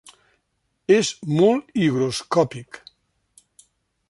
És molt higroscòpic.